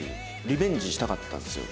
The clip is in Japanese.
リベンジしたかったんですよ。